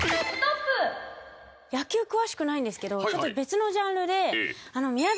野球詳しくないんですけど別のジャンルで。